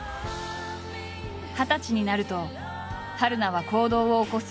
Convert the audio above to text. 二十歳になると春菜は行動を起こす。